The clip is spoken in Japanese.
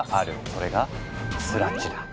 それがスラッジだ。